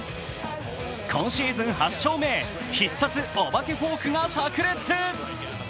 今シーズン８勝目へ、必殺お化けフォークがさく裂。